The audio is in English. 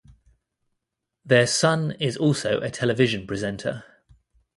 Their son is also a television presenter.